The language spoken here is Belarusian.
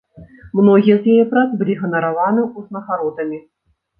Многія з яе прац былі ганараваны ўзнагародамі.